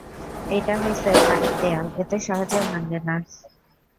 এইটা হইসে বাড়ির দেয়াল, এত সহজে ভাঙে না।